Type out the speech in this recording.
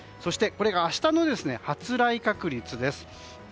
これは明日の発雷確率です。